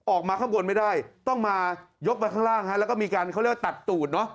ออกมาข้างบนไม่ได้ต้องมายกไปข้างล่างฮะแล้วก็มีการเขาเรียกว่าตัดตูดเนอะ